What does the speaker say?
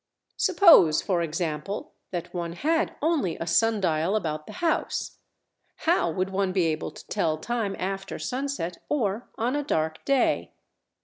Suppose, for example, that one had only a sun dial about the house; how would one be able to tell time after sunset or on a dark day?